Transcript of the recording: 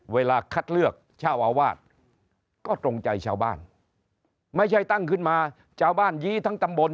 เวลาคัดเลือกเจ้าอาวาสก็ตรงใจชาวบ้านไม่ใช่ตั้งขึ้นมาชาวบ้านยี้ทั้งตำบล